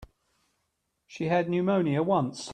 She had pneumonia once.